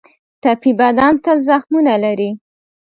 ټپي بدن تل زخمونه لري.